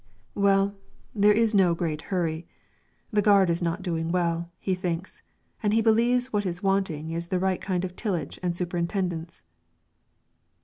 "Well, there is no great hurry. The gard is not doing well, he thinks, and he believes what is wanting is the right kind of tillage and superintendence."